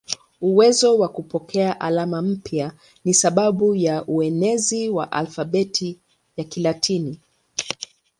Uwezo wa kupokea alama mpya ni sababu ya uenezi wa alfabeti ya Kilatini.